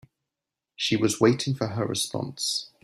She was waiting for her response.